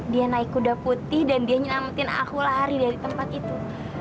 dia naik kuda putih dan dia nyelamatin aku lari dari tempat itu